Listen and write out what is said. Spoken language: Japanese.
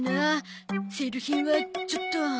セール品はちょっと。